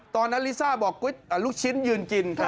ตอนนั้นลิซ่าบอกลูกชิ้นยืนกิน